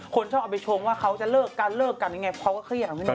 คนช่องเอาไปชมว่าเขาจะเลิกกันกันไปไงเขาก็เครียด